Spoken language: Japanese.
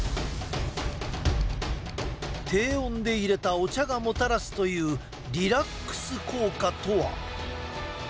低温でいれたお茶がもたらすというリラックス効果とは。